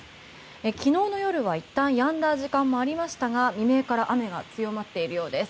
昨日の夜は、いったんやんだ時間もありましたが未明から雨が強まっているようです。